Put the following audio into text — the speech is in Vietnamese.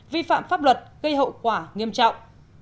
vi phạm pháp luật gây hậu quả nghiêm trọng